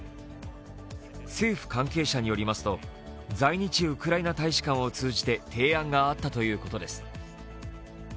政府関係者によりますと在日ウクライナ大使館を通じて提案があったということです。